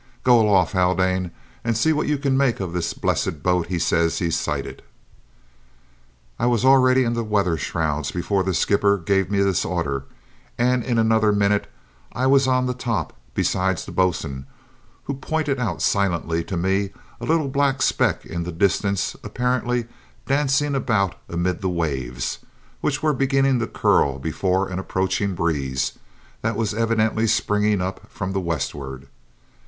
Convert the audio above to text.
Go aloft, Haldane, and see what you can make of this blessed boat he says he sighted!" I was already in the weather shrouds before the skipper gave me this order, and in another minute I was on the top beside the boatswain, who pointed out silently to me a little black speck in the distance apparently dancing about amid the waves, which were beginning to curl before an approaching breeze that was evidently springing up from the westwards.